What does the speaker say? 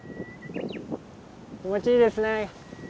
気持ちいいですね。